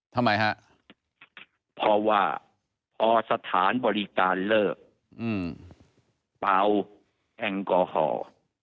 ทำไมฮะเพราะว่าพอสถานบริการเลิกเป่าแอลกอฮอล์